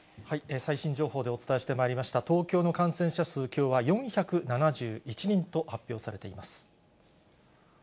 最新情報でお伝えしてまいりました、東京の感染者数、きょうは４７１人と発表されています。